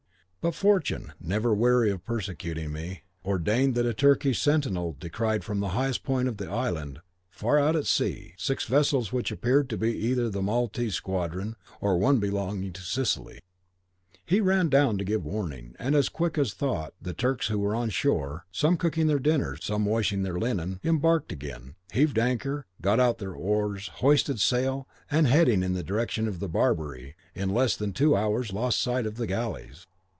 But fortune, never weary of persecuting me, ordained that a Turkish sentinel descried from the highest point of the island, far out at sea, six vessels which appeared to be either the Maltese squadron or one belonging to Sicily. He ran down to give warning, and as quick as thought the Turks who were on shore, some cooking their dinners, some washing their linen, embarked again, heaved anchor, got out their oars, hoisted sail, and heading in the direction of Barbary, in less than two hours lost sight of the galleys.